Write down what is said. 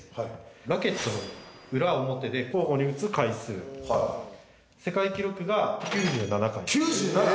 ラケットの裏表で交互に打つ回数はい世界記録が９７回９７！？